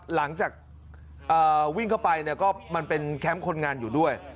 หลังจากวิ่งเข้าไปก็มันเป็นแคมป์คนงานอยู่ด้วย